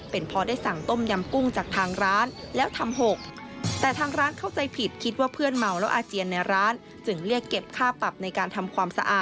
เป็นพอได้สั่งต้มยำกุ้งจากทางร้านแล้วทำหก